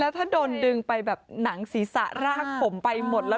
ถ้าโดนดึงไปแบบหนังศีรษะรากผมไปหมดแล้ว